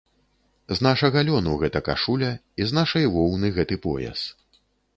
З нашага лёну гэта кашуля і з нашай воўны гэты пояс.